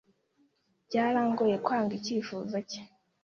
Byarangoye kwanga icyifuzo cye.